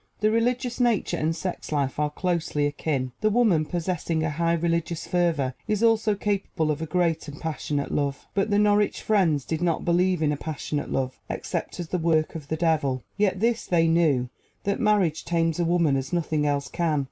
The religious nature and sex life are closely akin. The woman possessing a high religious fervor is also capable of a great and passionate love. But the Norwich Friends did not believe in a passionate love, except as the work of the devil. Yet this they knew, that marriage tames a woman as nothing else can.